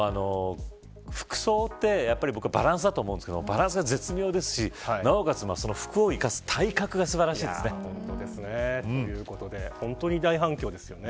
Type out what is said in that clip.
服装って僕はバランスだと思うんですけどバランスが絶妙ですし服を生かす体格が素晴らしいですね。ということで本当に大反響ですね。